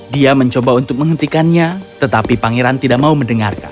dia mencoba untuk menghentikannya tetapi pangeran tidak mau mendengarkan